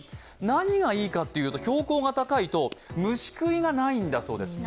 何がいいかというと、標高が高いと虫食いがないんだそうです。